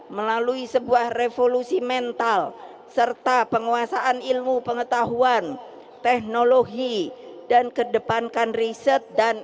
melalui sebuah revolusi mental serta penguasaan ilmu pengetahuan teknologi dan kedepankan riset dan